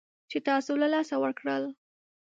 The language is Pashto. چې تاسو له لاسه ورکړل